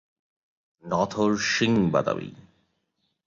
নখর শিঙ-বাদামি।